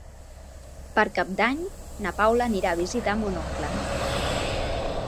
Per Cap d'Any na Paula anirà a visitar mon oncle.